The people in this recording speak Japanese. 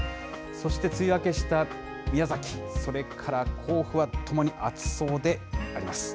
そして梅雨明けした宮崎、それから甲府はともに暑そうであります。